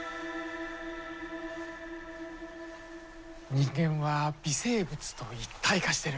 人間は微生物と一体化してる。